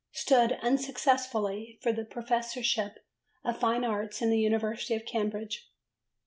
Stood, unsuccessfully, for the Professorship of Fine Arts in the University of Cambridge.